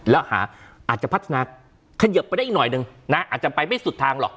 แล้วหาอาจจะพัฒนาเขยิบไปได้อีกหน่อยหนึ่งนะอาจจะไปไม่สุดทางหรอก